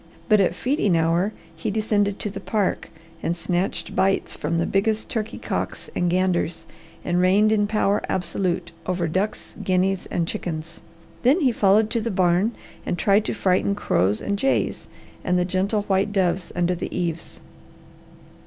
But at feeding hour he descended to the park and snatched bites from the biggest turkey cocks and ganders and reigned in power absolute over ducks, guineas, and chickens. Then he followed to the barn and tried to frighten crows and jays, and the gentle white doves under the eaves.